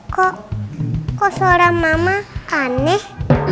kok suara mama aneh